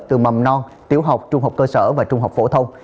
từ mầm non tiểu học trung học cơ sở và trung học phổ thông